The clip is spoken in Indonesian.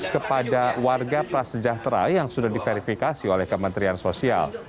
kepada warga prasejahtera yang sudah diverifikasi oleh kementerian sosial